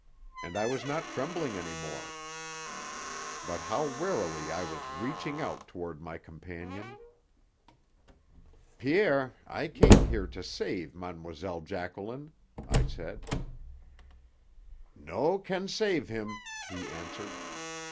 And I was not trembling any more. But how warily I was reaching out toward my companion. "Pierre, I came here to save Mlle. Jacqueline," I said. "No can save him," he answered.